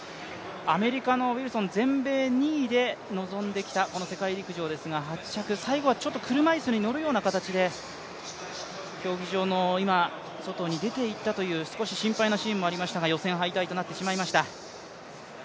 アメリカのウィルソン、全米２位で臨んできたこの世界陸上ですが８着、最後は車椅子に乗るような形で競技場の外に出て行ったという少し心配なシーンもありましたが、予選敗退となってしまいました。